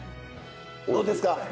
どうですか？